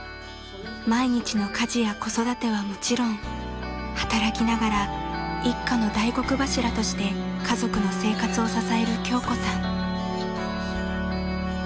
［毎日の家事や子育てはもちろん働きながら一家の大黒柱として家族の生活を支える京子さん］